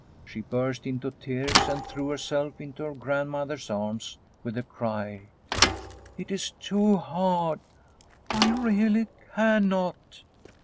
She burst into tears and threw herself into her grandmother's arms with the cry, "It is too hard, I really cannot."